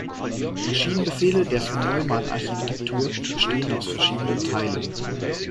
Maschinenbefehle der Von-Neumann-Architektur bestehen aus verschiedenen Teilen.